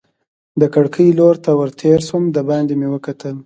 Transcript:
د کړکۍ لور ته ور تېر شوم، دباندې مې وکتل.